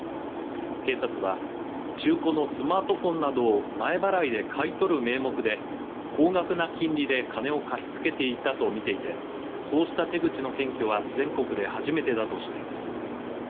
警察は中古のスマートフォンなどを前払いで買い取る名目で高額な金利で金を貸し付けていたと見ていてこうした手口の検挙は全国で初めてだとしています。